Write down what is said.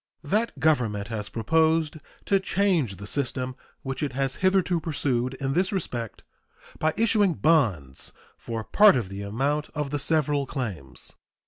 That Government has proposed to change the system which it has hitherto pursued in this respect by issuing bonds for part of the amount of the several claims.